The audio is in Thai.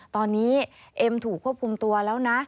ตอนนี้เอ็มถูกควบคุมตัวแล้วนะ